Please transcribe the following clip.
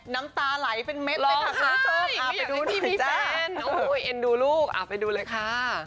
น้ำตาไหลเป็นเม็ดไปพร้อมค่ะอยากให้พี่มีแฟนโอ้โหยเอ็นดูลูกอ่าไปดูเลยค่ะ